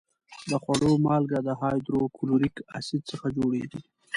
د خوړو مالګه د هایدروکلوریک اسید څخه جوړیږي.